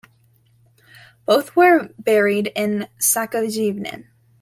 Both were buried in Scheveningen.